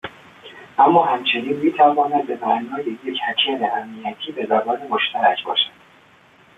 اما همچنین میتواند به معنای یک هکر امنیتی به زبان مشترک باشد.